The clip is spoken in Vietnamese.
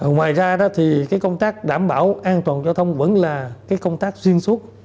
ngoài ra đó thì cái công tác đảm bảo an toàn giao thông vẫn là cái công tác xuyên suốt